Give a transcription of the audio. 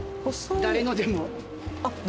誰のでも？